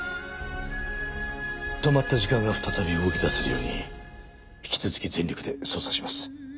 止まった時間が再び動き出せるように引き続き全力で捜査します。